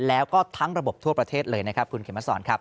แล้วก็ทั้งระบบทั่วประเทศเลยนะครับคุณเขมสอนครับ